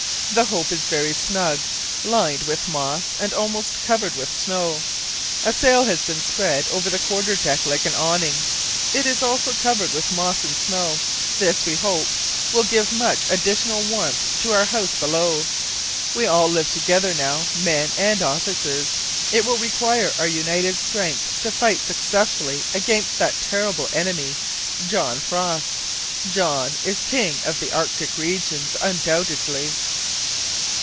The Hope is very snug, lined with moss, and almost covered with snow. A sail has been spread over the quarter deck like an awning; it is also covered with moss and snow. This, we hope, will give much additional warmth to our house below. We all live together now, men and officers. It will require our united strength to fight successfully against that terrible enemy, John Frost. John is king of the Arctic regions, undoubtedly!